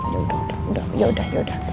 yaudah udah udah